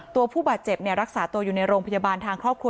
ผู้บาดเจ็บรักษาตัวอยู่ในโรงพยาบาลทางครอบครัว